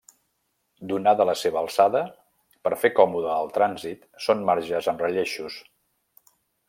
Donada la seva alçada, per fer còmode el trànsit són marges amb relleixos.